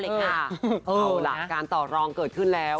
เอาล่ะการต่อรองเกิดขึ้นแล้ว